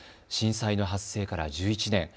震災の発生から１１年。